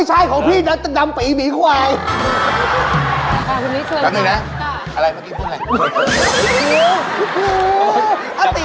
โอ้ยแสดงว่าย่ายังไม่หละไร